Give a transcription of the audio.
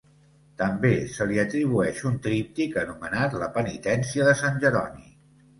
També se li atribueix un tríptic anomenat "La penitència de Sant Jeroni".